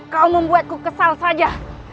kau membuatku kesal saja